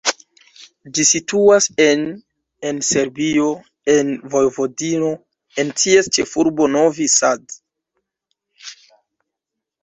Ĝi situas en en Serbio, en Vojvodino, en ties ĉefurbo Novi Sad.